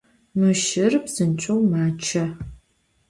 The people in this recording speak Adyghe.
Mı şşır psınç'eu maççe.